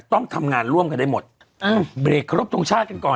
ต้องทำงานร่วมกันได้หมดเบรกครบทรงชาติกันก่อน